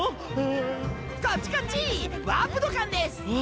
あこっちこっちワープ土管ですわ